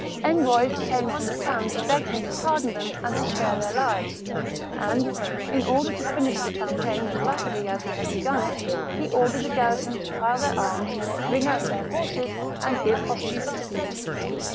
Envoys came from the town to beg him to pardon them and to spare their lives ; and, in order to finish the campaign as rapidly as he had begun it, he ordered the garrison to pile their arms, bring out their horses, and give hostages.